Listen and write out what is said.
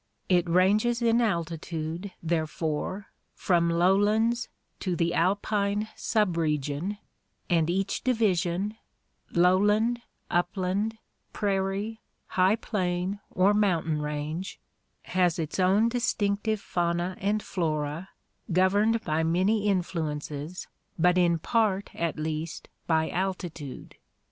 It ranges in altitude, therefore, from lowlands to the Alpine subregion, and each division — lowland, upland, prairie, high plain, or mountain range — has its own distinctive fauna and flora, governed by many influences but in part at least by altitude.